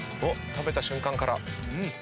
食べた瞬間から。